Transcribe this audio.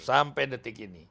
sampai detik ini